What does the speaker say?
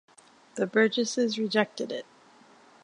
The Burgesses rejected it.